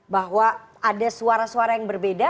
bahwa ada suara suara yang berbeda